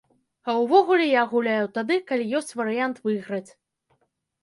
А ўвогуле я гуляю тады, калі ёсць варыянт выйграць.